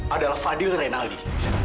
adalah fadil renaldi